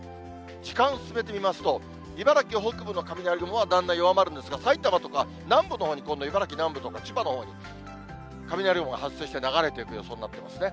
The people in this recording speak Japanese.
時間進めてみますと、茨城北部の雷雲はだんだん弱まるんですが、埼玉とか、南部のほうに今度、茨城南部とか千葉のほうに、雷雲が発生して流れている予想になっていますね。